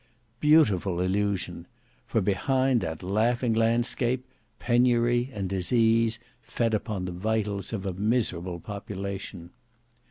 Beautiful illusion! For behind that laughing landscape, penury and disease fed upon the vitals of a miserable population!